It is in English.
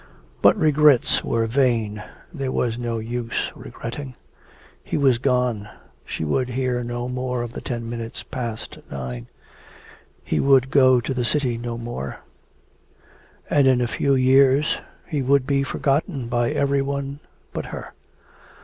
But regrets were vain, there was no use regretting; he was gone she would hear no more of the ten minutes past nine. He would go to the city no more; and in a few years he would be forgotten by every one but her.